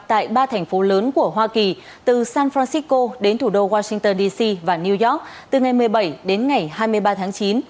tại ba thành phố lớn của hoa kỳ từ san francisco đến thủ đô washington dc và new york từ ngày một mươi bảy đến ngày hai mươi ba tháng chín